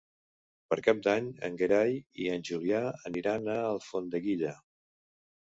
Per Cap d'Any en Gerai i en Julià aniran a Alfondeguilla.